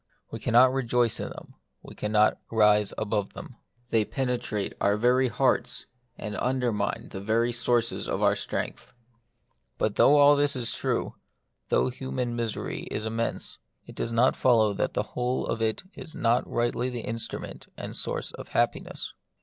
We cannot rejoice in them ; we cannot rise above them. They penetrate our very hearts, and under mine the very sources of our strength. But though all this is true — though human misery is immense — it does not follow that the whole of it is not rightly the instrument and source of happiness.